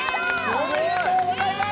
おめでとうございます。